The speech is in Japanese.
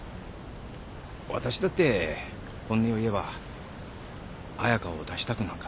わたしだって本音を言えば彩佳を出したくなんかない。